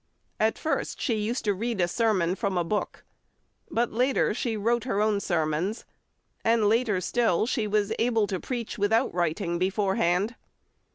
At first she used to read a sermon from a book, but later she wrote her own sermons, and later still she was able to preach without writing beforehand.